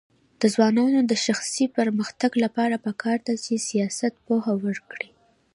د ځوانانو د شخصي پرمختګ لپاره پکار ده چې سیاست پوهه ورکړي.